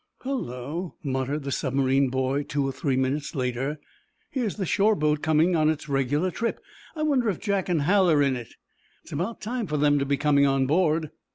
"Hullo," muttered the submarine boy, two or three minutes later. "Here's the shore boat coming on its regular trip. I wonder if Jack and Hal are in it? It's about time for them to be coming on board."